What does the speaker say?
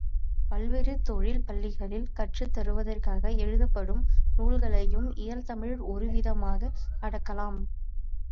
பல்வேறு தொழில் பள்ளிகளில் கற்றுத் தருவதற்காக எழுதப்படும் நூல்களையும் இயல் தமிழில் ஒருவிதமாக அடக்கலாம்.